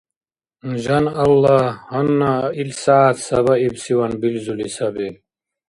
Жан Аллагь, гьанна ил сягӀят сабаибсиван билзули саби.